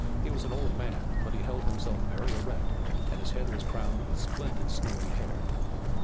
He was an old man, but he held himself very erect and his head was crowned with splendid snowy hair.